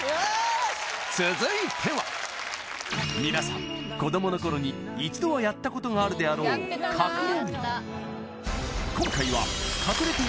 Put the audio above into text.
続いては皆さん子どもの頃に一度はやったことがあるであろうかくれんぼ